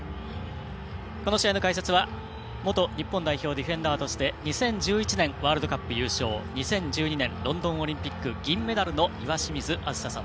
この試合の解説は元日本代表ディフェンダーとして２０１１年ワールドカップ優勝２０１２年ロンドンオリンピック銀メダルの岩清水梓さん。